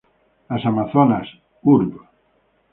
Las Amazonas, Urb.